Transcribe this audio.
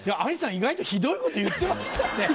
意外とひどいこと言ってましたね。